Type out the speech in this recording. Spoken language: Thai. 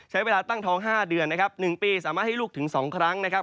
ใช้เวลาตั้งท้อง๕เดือนนะครับ๑ปีสามารถให้ลูกถึง๒ครั้งนะครับ